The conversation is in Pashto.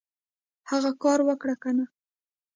هغه کار اوکړه کنه !